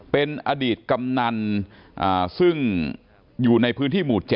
เป็นอดีตกำนันซึ่งอยู่ในพื้นที่หมู่๗